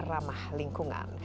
sehingga ramah lingkungan